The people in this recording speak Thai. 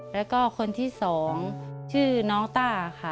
แล้วก็คนที่๒ชื่อน้องต้าค่ะ